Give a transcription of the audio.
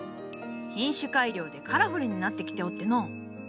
品種改良でカラフルになってきておっての。